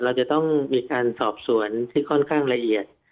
เราจะต้องมีการสอบสวนที่ค่อนข้างละเอียด